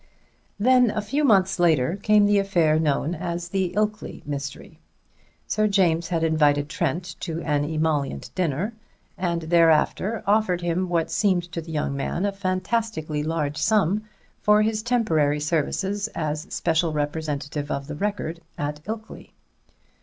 Then a few months later came the affair known as the Ilkley mystery. Sir James had invited Trent to an emollient dinner, and thereafter offered him what seemed to the young man a fantastically large sum for his temporary services as special representative of the Record at Ilkley.